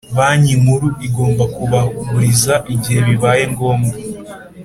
Banki Nkuru igomba kubaguriza igihe bibaye ngombwa